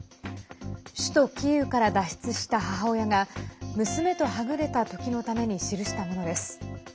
首都キーウから脱出した母親が娘とはぐれたときのために記したものです。